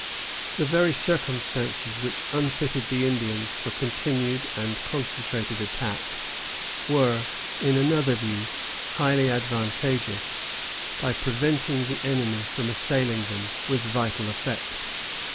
The very circumstances which unfitted the Indians for continued and concentrated attack were, in another view, highly advantageous, by preventing the enemy from assailing them with vital effect.